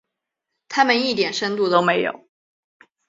他们一点深度都没有。